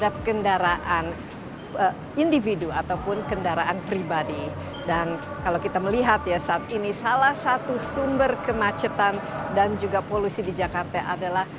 pertama perjalanan ke jakarta